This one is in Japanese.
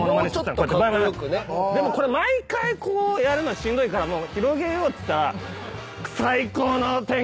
でもこれ毎回こうやるのしんどいから広げようっつったら。